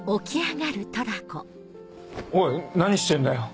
おい何してんだよ？